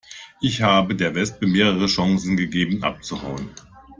Ich habe der Wespe mehrere Chancen gegeben, abzuhauen.